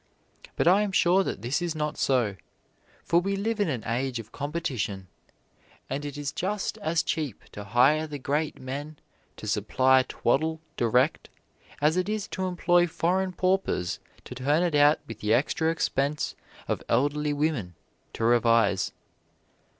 But I am sure that this is not so, for we live in an age of competition, and it is just as cheap to hire the great men to supply twaddle direct as it is to employ foreign paupers to turn it out with the extra expense of elderly women to revise.